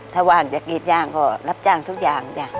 ถ้าว่างจะกรีดยางก็รับจ้างทุกอย่างจ้ะ